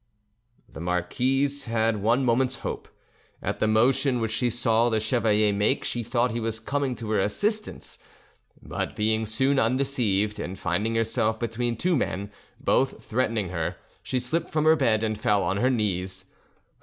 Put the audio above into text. The marquise had one moment's hope: at the motion which she saw the chevalier make she thought he was coming to her assistance; but being soon undeceived, and finding herself between two men, both threatening her, she slipped from her bed and fell on her knees.